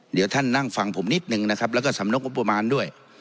เดี๋ยวท่านนั่งฟังผมนิดนึงนะครับแล้วก็สำนกงบประมาณด้วย